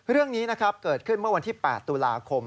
เรื่องนี้นะครับเกิดขึ้นเมื่อวันที่๘ตุลาคม